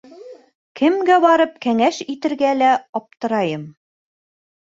Кемгә барып кәңәш итергә лә аптырайым.